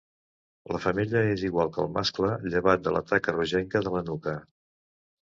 La femella és igual que el mascle llevat de la taca rogenca de la nuca.